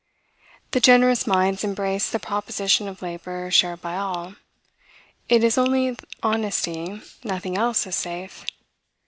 The generous minds embrace the proposition of labor shared by all; it is the only honesty; nothing else is safe.